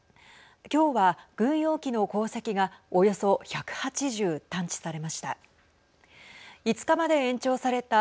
今日は軍用機の航跡がおよそ１８０探知されました。